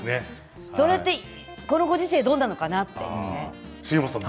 それってこのご時世どうなのかなって。